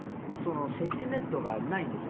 セーフティーネットがないんです